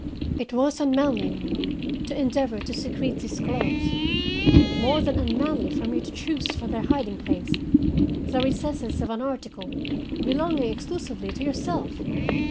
It was unmanly in me to endeavor to secrete these gloves; more than unmanly for me to choose for their hiding place the recesses of an article belonging exclusively to yourself.